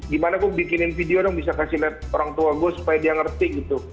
gimana gue bikinin video dong bisa kasih lihat orang tua gue supaya dia ngerti gitu